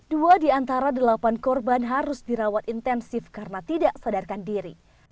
dua di antara delapan korban harus dirawat intensif karena tidak sadarkan diri